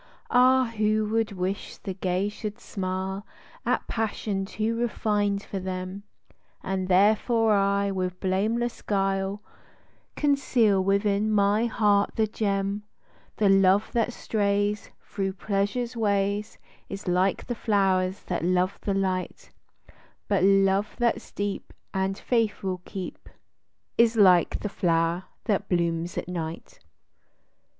Ah, who would wish the gay should smile At passion too refined for them :— And therefore I with blameless guile Conceal within my heart the gem :— The love that strays Thro' pleasure's ways, Is like the flow'rs that love the light ; But love that's deep, And faith will keep, Is like the flow'r that blooms at night.